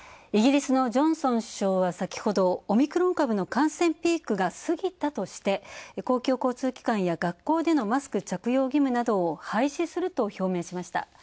イギリスのジョンソン首相は先ほどオミクロン株の感染ピークがすぎたとして、公共交通機関の学校でのマスク着用義務などを廃止すると表明しました。